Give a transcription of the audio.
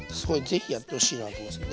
ぜひやってほしいなと思います。